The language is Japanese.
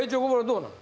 どうなん？